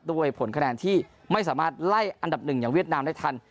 ผลคะแนนที่ไม่สามารถไล่อันดับหนึ่งอย่างเวียดนามได้ทัน